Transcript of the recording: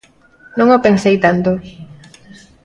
Non o pensei tanto.